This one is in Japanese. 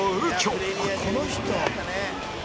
「この人」